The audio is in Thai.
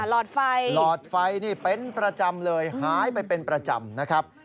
หลอดไฟหลอดไฟนี่เป็นประจำเลยหายไปเป็นประจำนะครับ